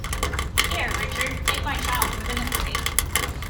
Here, Richard, take my child, for goodness' sake.